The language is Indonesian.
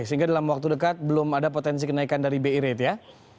sehingga dalam waktu dekat belum ada potensi kenaikan dari bi rate ya